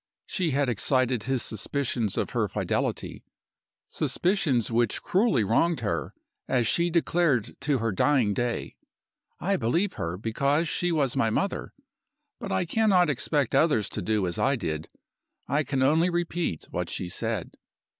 She had excited his suspicions of her fidelity suspicions which cruelly wronged her, as she declared to her dying day. I believed her, because she was my mother. But I cannot expect others to do as I did I can only repeat what she said.